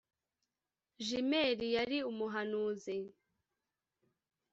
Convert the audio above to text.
Gimeli yari umuhanuzi